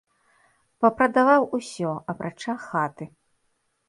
Папрадаваў усё, апрача хаты.